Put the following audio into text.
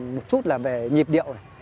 một chút là về nhịp điệu